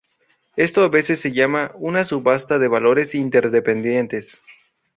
Esto a veces se llama una subasta de valores interdependientes.